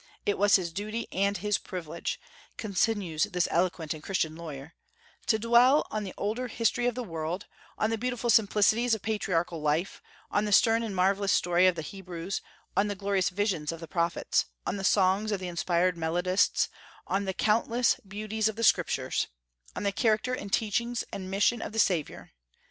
It was his duty and his privilege," continues this eloquent and Christian lawyer, "to dwell on the older history of the world, on the beautiful simplicities of patriarchal life, on the stern and marvellous story of the Hebrews, on the glorious visions of the prophets, on the songs of the inspired melodists, on the countless beauties of the Scriptures, on the character and teachings and mission of the Saviour.